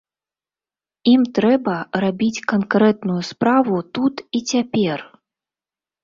Ім трэба рабіць канкрэтную справу тут і цяпер.